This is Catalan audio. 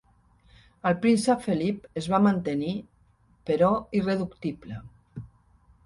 El príncep Felip es va mantenir, però irreductible.